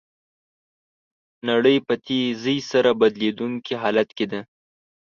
نړۍ په تېزۍ سره بدلیدونکي حالت کې ده.